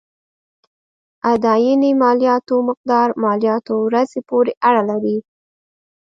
اداينې مالياتو مقدار مالياتو ورځې پورې اړه لري.